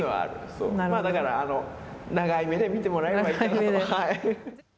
だから、長い目で見てもらえればいいかなと。